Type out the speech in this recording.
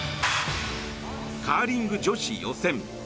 カーリング女子予選。